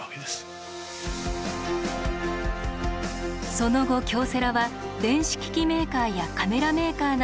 その後京セラは電子機器メーカーやカメラメーカーなどと合併。